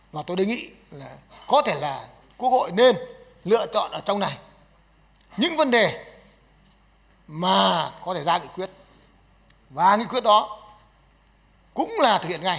và tôi đề nghị là có thể là quốc hội nên lựa chọn ở trong này những vấn đề mà có thể ra nghị quyết và nghị quyết đó cũng là thực hiện ngay